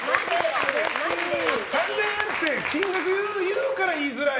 ３０００円って金額を言うから言いづらい。